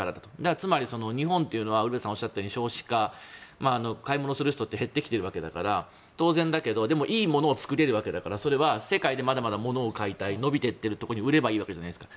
つまり日本というのはウルヴェさんがおっしゃったように少子化買い物をする人って減ってきているわけだから当然だけどでもいいものを作れるわけだからそれは世界でまだまだ物を買いたい伸びていっているところに売ればいいわけじゃないですか。